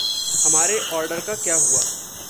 हमारे औरडर का क्या हुआ?